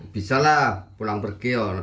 bisa lah pulang pergi